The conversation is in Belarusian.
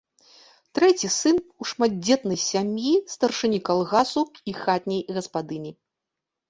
Трэці сын у шматдзетнай сям'і старшыні калгасу і хатняй гаспадыні.